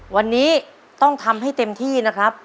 วันนี้ต้องทำให้เต็มที่นะครับ